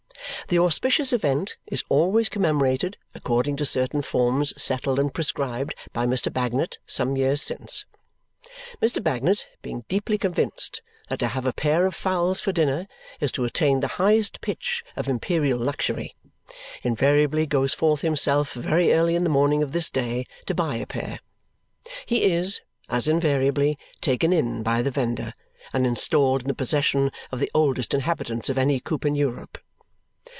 The auspicious event is always commemorated according to certain forms settled and prescribed by Mr. Bagnet some years since. Mr. Bagnet, being deeply convinced that to have a pair of fowls for dinner is to attain the highest pitch of imperial luxury, invariably goes forth himself very early in the morning of this day to buy a pair; he is, as invariably, taken in by the vendor and installed in the possession of the oldest inhabitants of any coop in Europe.